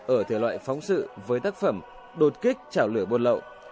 ở thể loại phóng sự với tác phẩm đột kích chảo lửa buôn lậu